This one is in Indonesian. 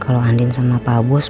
kalau andin sama pak bus